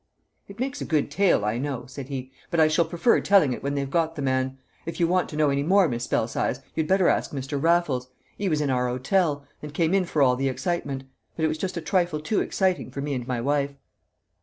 "It makes a good tale, I know," said he, "but I shall prefer telling it when they've got the man. If you want to know any more, Miss Belsize, you'd better ask Mr. Raffles; 'e was in our hotel, and came in for all the excitement. But it was just a trifle too exciting for me and my wife."